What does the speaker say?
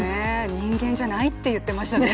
人間じゃないっていってましたね。